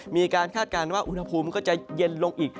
มีคาดงานว่าอุณหภูมิจะเย็นลงอีก